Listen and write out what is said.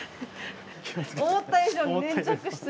思った以上に粘着質。